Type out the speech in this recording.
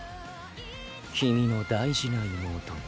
君の大事な妹が